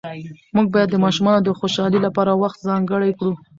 موږ باید د ماشومانو د خوشحالۍ لپاره وخت ځانګړی کړو